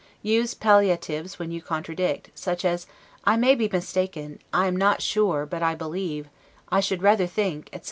Use palliatives when you contradict; such as I MAY BE MISTAKEN, I AM NOT SURE, BUT I BELIEVE, I SHOULD RATHER THINK, etc.